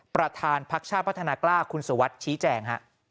ประธานพักชาติพัฒนากล้าคุณสุวัสดิ์ชี้แจง